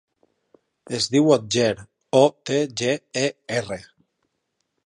Es diu Otger: o, te, ge, e, erra.